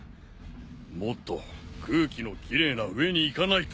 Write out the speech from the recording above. もっと空気の奇麗な上に行かないと